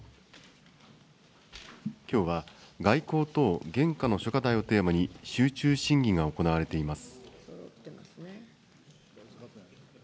きょうは、外交等現下の諸課題をテーマに、集中審議が行われています。